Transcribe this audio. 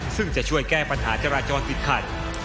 ซึ่งจะช่วยแก้ปัญหาจราจรติดขัด